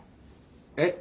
えっ？